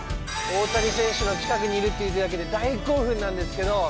大谷選手の近くにいるっていうだけで大興奮なんですけど。